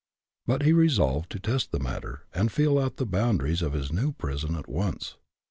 But he resolved to test the matter, and feel out the boundaries of his new prison at once.